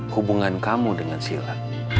hubungan kamu dengan sila